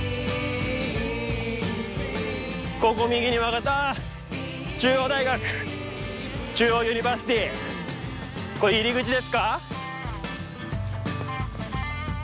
ここ右に曲がってああ中央大学中央ユニバーシティーこれ入り口ですか？